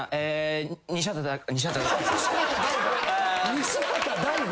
西畑大吾？